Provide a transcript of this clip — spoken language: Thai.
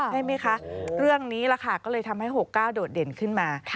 ใช่ไหมคะเรื่องนี้แหละค่ะก็เลยทำให้๖๙โดดเด่นขึ้นมา